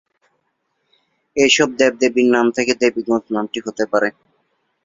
এ সব দেব-দেবীর নাম থেকে দেবীগঞ্জ নামটি হতে পারে।